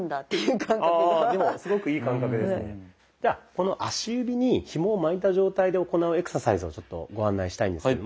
この足指にひもを巻いた状態で行うエクササイズをご案内したいんですけども。